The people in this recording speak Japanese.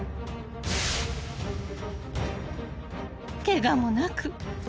［ケガもなく］